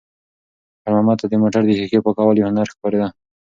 خیر محمد ته د موټر د ښیښې پاکول یو هنر ښکارېده.